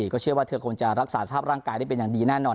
ก็เชื่อว่าเธอคงจะรักษาสภาพร่างกายได้เป็นอย่างดีแน่นอน